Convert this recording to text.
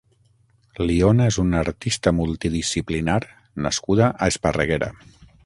Lyona és una artista multidisciplinar nascuda a Esparreguera.